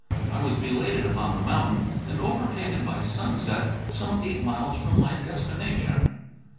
I was belated upon the mountain and overtaken by sunset, some eight miles from my destination.